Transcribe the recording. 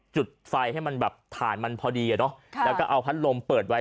จุดไฟให้มันแบบฐานมันพอดีอ่ะเนอะแล้วก็เอาพัดลมเปิดไว้